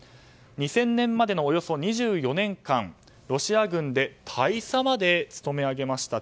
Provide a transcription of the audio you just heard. ２０００年までのおよそ２４年間、ロシア軍で大佐まで務め上げました。